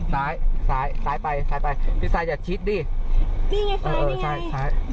ซ้ายซ้ายซ้ายไปซ้ายไปพี่ซ้ายอย่าชิดดิดิไงซ้ายดิไงเออเออซ้ายซ้าย